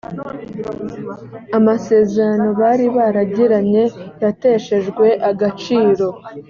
amasezerano bari baragiranye yateshejwe agaciro